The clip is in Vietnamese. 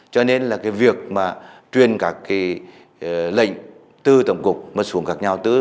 cho nên là cái việc mà truyền các cái lệnh tư tổng cục một xuống các nhà đầu tư